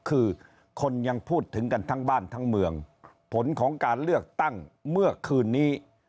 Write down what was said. คือคนยังพูดถึงกันทั้งบ้านทั้งเมืองผลของการเลือกตั้งเมื่อคืนนี้